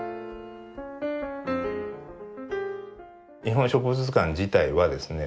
「日本植物図鑑」自体はですね